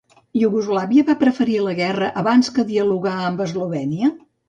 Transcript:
Iugoslàvia va preferir la guerra abans que dialogar amb Eslovènia?